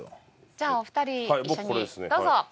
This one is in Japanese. じゃあお二人一緒にどうぞ！